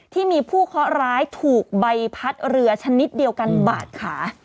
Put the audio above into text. ที่มีผู้เคาะร้ายถูกใบพัดเรือชนิดเดียวกันบาดขา